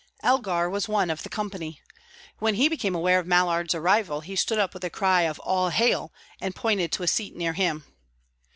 Elgar was one of the company. When he became aware of Mallard's arrival, he stood up with a cry of "All hail!" and pointed to a seat near him.